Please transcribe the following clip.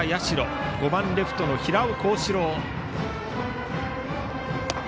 打者は５番レフトの平尾幸志郎。